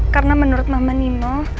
karena menurut mama nino